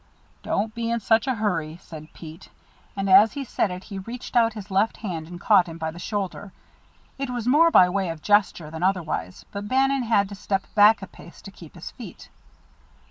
"Don't be in such a hurry," said Pete, and as he said it he reached out his left hand and caught him by the shoulder. It was more by way of gesture than otherwise, but Bannon had to step back a pace to keep his feet.